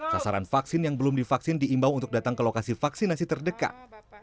sasaran vaksin yang belum divaksin diimbau untuk datang ke lokasi vaksinasi terdekat